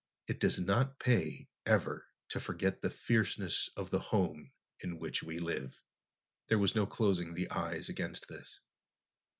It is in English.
It does not pay ever to forget the fierceness of the home in which we live." There was no closing the eyes against this.